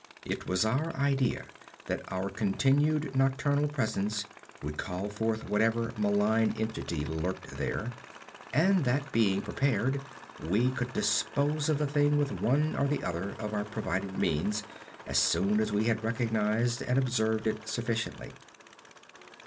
It was our idea that our continued nocturnal presence would call forth whatever malign entity lurked there; and that being prepared, we could dispose of the thing with one or the other of our provided means as soon as we had recognized and observed it sufficiently.